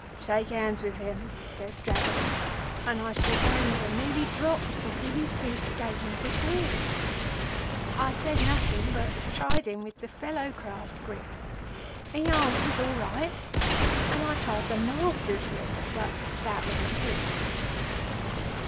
'Shake hands with him,' says Dravot, and I shook hands and nearly dropped, for Billy Fish gave me the Grip. I said nothing, but tried him with the Fellow Craft Grip. He answers, all right, and I tried the Master's Grip, but that was a slip.